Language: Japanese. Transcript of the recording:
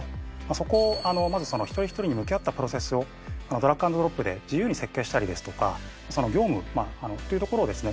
そこをまずその一人一人に向き合ったプロセスをドラッグ＆ドロップで自由に設計したりですとかその業務というところをですね